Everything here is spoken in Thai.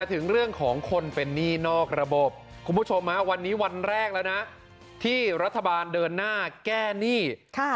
คุณผู้ชมวันนี้วันแรกแล้วนะที่รัฐบาลเดินหน้าแก้หนี้ค่ะ